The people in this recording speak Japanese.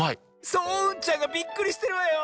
そううんちゃんがびっくりしてるわよ。